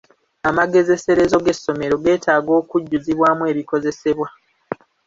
Amagezeserezo g'essomero geetaaga okujjuzibwamu ebikozesebwa.